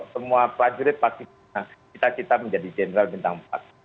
semua prajurit pasti kita kita menjadi general bintang empat